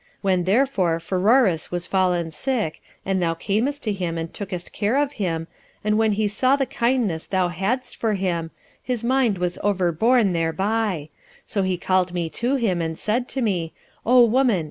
When, therefore, Pheroras was fallen sick, and thou camest to him and tookest care of him, and when he saw the kindness thou hadst for him, his mind was overborne thereby. So he called me to him, and said to me, 'O woman!